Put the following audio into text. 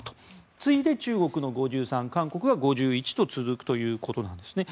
次いで中国の５３、韓国が５１と続くということなんですね。